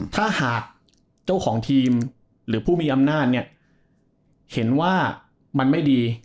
ถ้าหากเจ้าของทีมหรือผู้มีอำนาจเนี่ยเห็นว่ามันไม่ดี